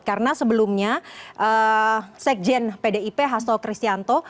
karena sebelumnya sekjen pdip hasto kristianto